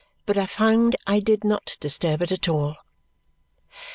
But I found I did not disturb it at all.